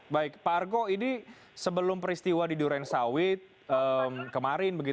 baik pak argo ini sebelum peristiwa di duransawi kemarin